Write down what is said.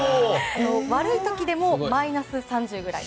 悪い時でもマイナス３０ぐらい。